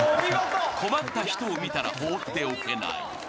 ［困った人を見たら放っておけない］